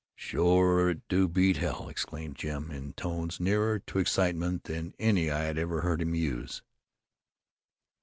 "Shore it do beat hell!" exclaimed Jim in tones nearer to excitement than any I had ever heard him use.